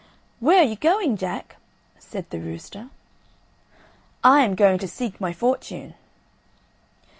"Where are you going, Jack?" said the rooster. "I am going to seek my fortune."